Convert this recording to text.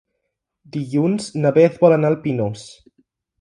Dilluns na Beth vol anar al Pinós.